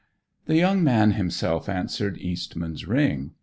The young man himself answered Eastman's ring.